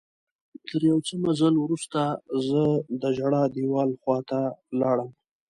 تر یو څه مزل وروسته زه د ژړا دیوال خواته لاړم.